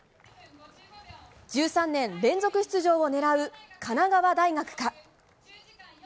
１３年連続出場を狙う神奈川大学か。